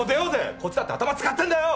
こっちだって頭使ってんだよ！